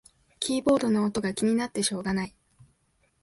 キーボードの音が気になってしょうがない